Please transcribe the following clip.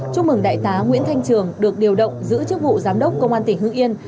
chúc mừng đại tá nguyễn thanh trường được điều động giữ chức vụ giám đốc công an tỉnh hưng yên